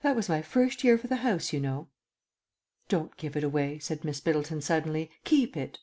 "That was my first year for the house, you know." "Don't give it away," said Miss Middleton suddenly. "Keep it."